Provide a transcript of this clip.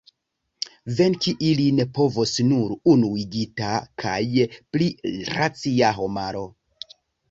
Venki ilin povos nur unuigita kaj pli racia homaro.